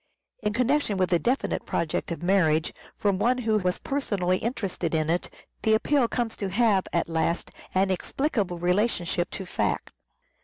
In connection with a definite project of marriage, from one who was personally interested in it, the appeal comes to have, at last, an explicable relationship to fact.